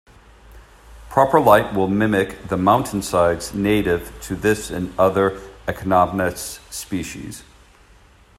Proper light will mimic the mountain sides native to this and other "Echinopsis" species.